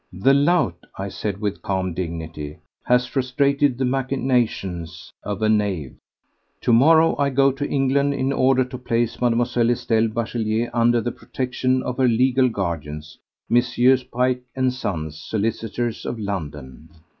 "The lout," I said with calm dignity, "has frustrated the machinations of a knave. To morrow I go to England in order to place Mademoiselle Estelle Bachelier under the protection of her legal guardians, Messieurs Pike and Sons, solicitors, of London."